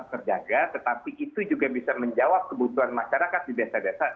terjaga tetapi itu juga bisa menjawab kebutuhan masyarakat di desa desa